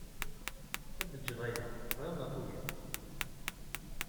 Ad tged aya, tebɣid neɣ tugid.